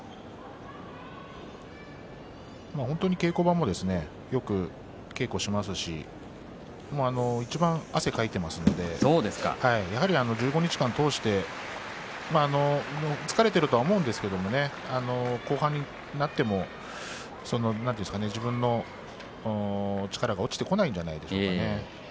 本当に稽古場でもよく稽古しますしいちばん汗をかいていますのでやはり１５日間通して疲れていると思うんですけれど後半になっても自分の力が落ちてこないんじゃないでしょうかね。